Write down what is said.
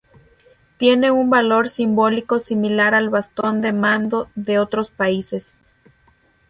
Tiene un valor simbólico similar al bastón de mando de otros países.